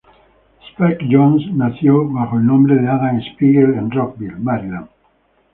Spike Jonze nació bajo el nombre de Adam Spiegel en Rockville, Maryland.